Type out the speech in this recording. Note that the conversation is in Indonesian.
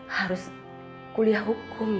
harus kuliah hukumnya